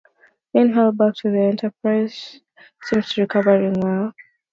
Meanwhile, back on the "Enterprise", Spock seems to be recovering well.